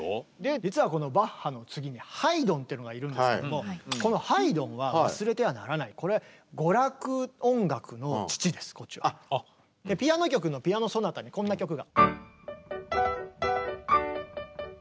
実はこのバッハの次にハイドンってのがいるんですけどもこのハイドンは忘れてはならないピアノ曲の「ピアノ・ソナタ」にこんな曲が。